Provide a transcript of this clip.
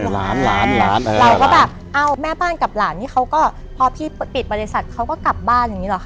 ล้านล้านล้านอะไรเราก็แบบเอ้าแม่บ้านกับหลานนี่เขาก็พอพี่ปิดบริษัทเขาก็กลับบ้านอย่างนี้หรอค